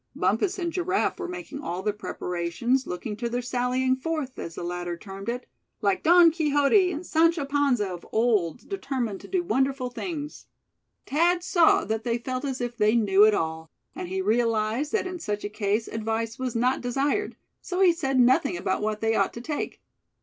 Bumpus and Giraffe were making all their preparations looking to their "sallying forth," as the latter termed it, "like Don Quixote and Sancho Panza of old, determined to do wonderful things." Thad saw that they felt as if they knew it all; and he realized that in such a case advice was not desired, so he said nothing about what they ought to take.